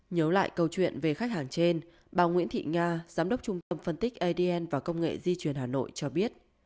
nhớ lại câu chuyện về khách hàng trên bà nguyễn thị nga giám đốc trung tâm phân tích adn và công nghệ di chuyển hà nội cho biết